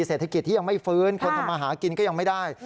เศรษฐกิจที่ยังไม่ฟื้นคนทำมาหากินก็ยังไม่ได้